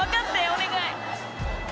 お願い。